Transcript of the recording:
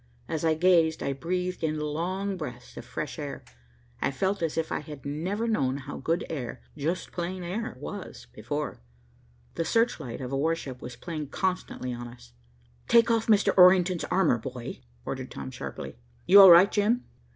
As I gazed, I breathed in long breaths of fresh air. I felt as if I had never known how good air, just plain air, was, before. [Illustration: THE SEARCH LIGHT OF A WARSHIP WAS PLAYING CONSTANTLY ON US. [Page 122. ] "Take off Mr. Orrington's armor, boy," ordered Tom sharply. "You all right, Jim?"